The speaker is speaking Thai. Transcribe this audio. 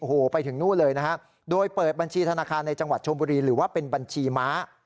โอ้โหไปถึงนู่นเลยนะฮะโดยเปิดบัญชีธนาคารในจังหวัดชมบุรีหรือว่าเป็นบัญชีม้า